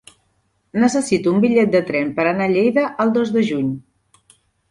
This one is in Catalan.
Necessito un bitllet de tren per anar a Lleida el dos de juny.